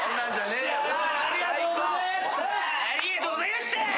ありがとうございましたぁ！